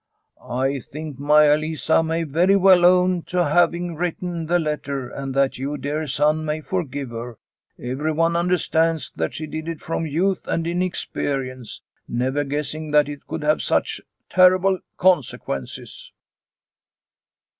" I think Maia Lisa may very well own to having written the letter, and that you, dear son, may forgive her. Everyone understands that she did it from youth and inexperience, never guessing that it could have such terrible con sequences."